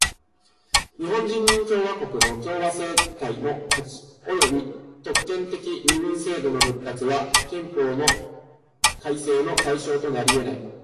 日本人民共和国の共和政体の破棄および特権的身分制度の復活は憲法改正の対象となりえない。